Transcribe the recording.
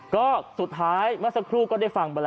ก็สุดท้ายเมื่อสักครู่ก็ได้ฟังไปแล้ว